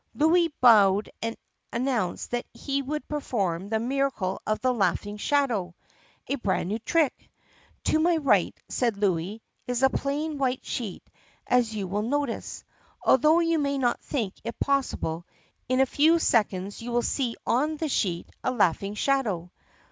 Louis bowed and announced that he would perform the "miracle of the laughing shadow," a brand new trick. "To my right," said Louis, "is a plain white sheet as you will notice. Although you may not think it possible in a few seconds you will see on the sheet a laughing shadow."